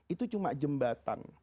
itu cuma jembatan